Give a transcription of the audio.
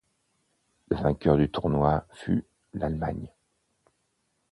Le vainqueur du tournoi fut l'Allemagne.